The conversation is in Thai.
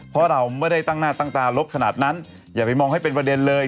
เพราะเราไม่ได้ตั้งหน้าตั้งตาลบขนาดนั้นอย่าไปมองให้เป็นประเด็นเลย